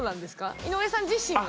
井上さん自身が。